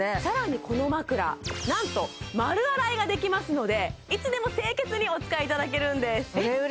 更にこの枕なんと丸洗いができますのでいつでも清潔にお使いいただけるんですえっ